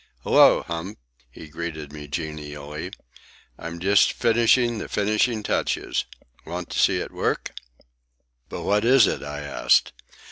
"Hello, Hump," he greeted me genially. "I'm just finishing the finishing touches. Want to see it work?" "But what is it?" I asked.